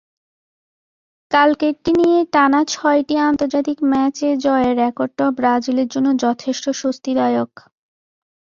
কালকেরটি নিয়ে টানা ছয়টি আন্তর্জাতিক ম্যাচে জয়ের রেকর্ডটাও ব্রাজিলের জন্য যথেষ্ট স্বস্তিদায়ক।